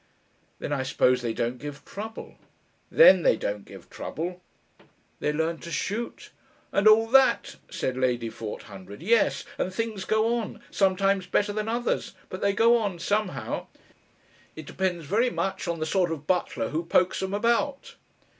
"Then, I suppose, they don't give trouble?" "Then they don't give trouble." "They learn to shoot?" "And all that," said Lady Forthundred. "Yes. And things go on. Sometimes better than others, but they go on somehow. It depends very much on the sort of butler who pokes 'um about."